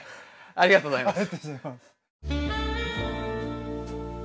ありがとうございます。